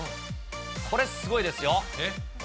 これ、すごいですよ。